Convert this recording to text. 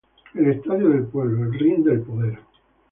El estadio del pueblo, el ring del poder.